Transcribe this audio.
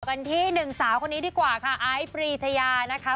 กันที่หนึ่งสาวคนนี้ดีกว่าค่ะไอซ์ปรีชายานะคะ